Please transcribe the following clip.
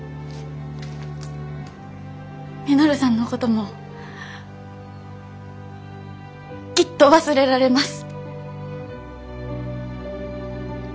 稔さんのこともきっと忘れられます。